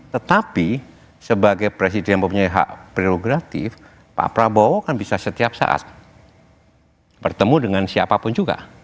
tetapi sebagai presiden mempunyai hak prerogatif pak prabowo kan bisa setiap saat bertemu dengan siapapun juga